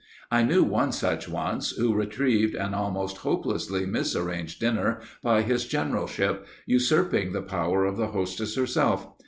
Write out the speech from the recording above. I knew one such once who retrieved an almost hopelessly misarranged dinner by his generalship, usurping the power of the hostess herself.